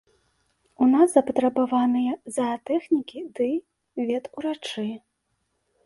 У нас запатрабаваныя заатэхнікі ды ветурачы.